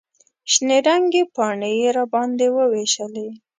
شنې رنګې پاڼې یې راباندې ووېشلې.